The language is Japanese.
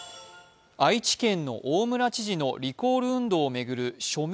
愛知県の大村知事のリコール運動を巡る署名